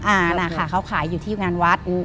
อ่านะคะเขาขายอยู่ที่งานวัด